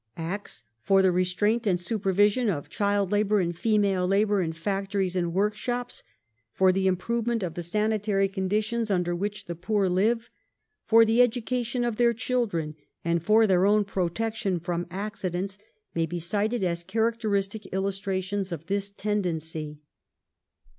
Acts for the restraint and supervision of child labour and female labour in factories and workshops; for the improvement of the sanitary conditions under which the poor live ; for the education of their children and for their own protection from accidents, may be cited as characteristic illustrations of this tendency.